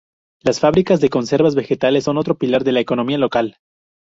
Las fábricas de conservas vegetales son otro pilar de la economía local.